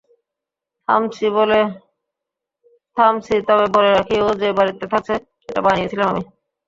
থামছি, তবে বলে রাখি ও যে বাড়িতে থাকছে সেটা বানিয়েছিলাম আমি!